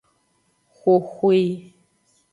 Xoxoi.